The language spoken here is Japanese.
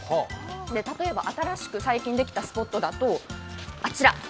例えば新しく最近できたスポットだと、あちら。